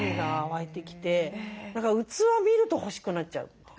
だから器見ると欲しくなっちゃう。